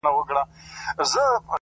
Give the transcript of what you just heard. • یو قابیل دی بل هابیل سره جنګیږي ,